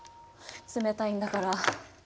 冷たいんだから。